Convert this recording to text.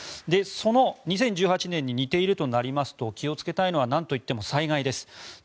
その２０１８年に似ているとなりますと気をつけたいのはなんといっても災害です。